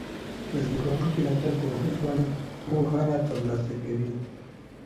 زده کوونکي د خپل کلتور په اړه پوهنه ترلاسه کوي.